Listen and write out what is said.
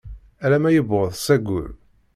Alamma yewweḍ s ayyur.